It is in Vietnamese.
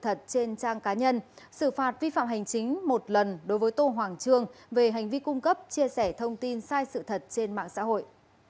sở thông tin và truyền thông trà vinh đã hai lần xử phạt vi phạm hành chính một lần đối với tô hoàng trương về hành vi cung cấp chia sẻ thông tin sai sự thật trên mạng xã hội